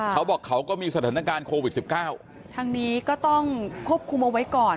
เขาบอกเขาก็มีสถานการณ์โควิดสิบเก้าทางนี้ก็ต้องควบคุมเอาไว้ก่อน